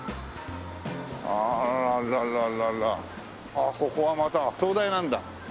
ああそこはまた東大なんだ。